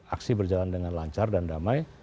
aksi berjalan dengan lancar dan damai